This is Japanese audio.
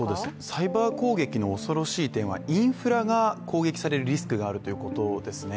サイバー攻撃の恐ろしい点は、インフラが攻撃されるリスクがあるということですね。